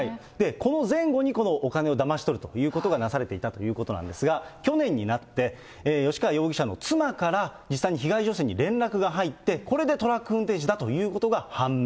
この前後に、このお金をだまし取るということがなされていたということなんですが、去年になって、吉川容疑者の妻から、実際に被害女性に連絡が入って、これでトラック運転手だということが判明。